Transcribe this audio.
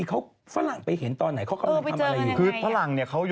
เขาไปนั่งเขาเป็นเหมือนกับอาศา